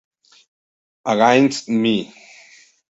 Against Me!!!